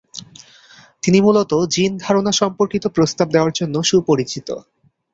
তিনি মূলত জিন ধারণা সর্ম্পকিত প্রস্তাব দেওয়ার জন্য সুপরিচিত।